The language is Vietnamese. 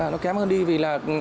nó kém hơn đi vì là